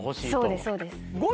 そうですそうです。